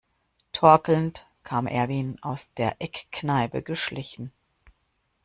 Torkelnd kam Erwin aus der Eckkneipe geschlichen.